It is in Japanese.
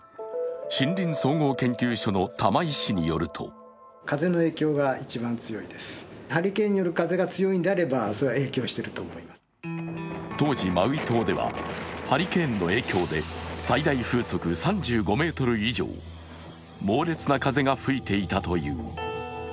森林総合研究所の玉井氏によると当時マウイ島ではハリケーンの影響で最大風速３５メートル以上、猛烈な風が吹いていたという。